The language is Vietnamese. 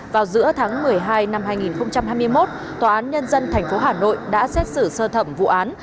vào giữa tháng một mươi hai năm hai nghìn hai mươi một tòa án nhân dân tp hà nội đã xét xử sơ thẩm vụ án